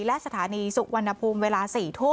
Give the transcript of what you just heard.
และสถานีสุวรรณภูมิเวลา๔ทุ่ม